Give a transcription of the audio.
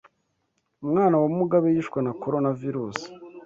Umwana wa Mugabe yishwe na Coronavirusi